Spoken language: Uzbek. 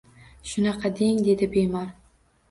Shunaqa deng, dedi bemor